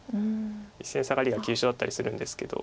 １線サガリが急所だったりするんですけど。